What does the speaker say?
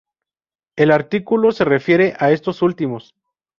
El artículo se refiere a estos últimos.